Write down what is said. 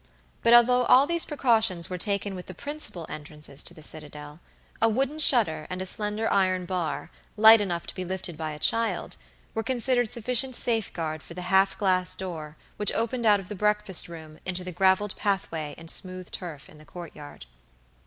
But although all these precautions were taken with the principal entrances to the citadel, a wooden shutter and a slender iron bar, light enough to be lifted by a child, were considered sufficient safeguard for the half glass door which opened out of the breakfast room into the graveled pathway and smooth turf in the courtyard.